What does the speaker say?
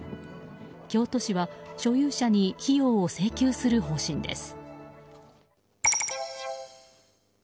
京都市は所有者に費用を請求する方針です。